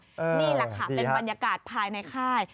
นี่แหละค่ะเป็นบรรยากาศภายในค่าย